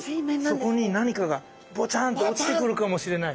そこに何かがぼちゃんと落ちてくるかもしれない。